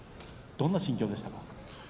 どんな心境でしたか？